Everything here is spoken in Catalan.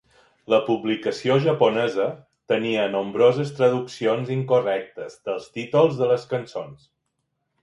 La publicació japonesa tenia nombroses traduccions incorrectes dels títols de les cançons.